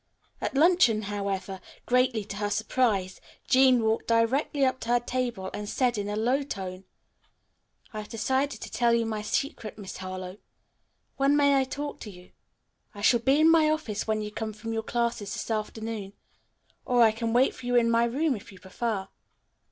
At luncheon, however, greatly to her surprise, Jean walked directly up to her table and said in a low tone, "I have decided to tell you my secret, Miss Harlowe. When may I talk with you?" "I shall be in my office when you come from your classes this afternoon, or I can wait for you in my room, if you prefer."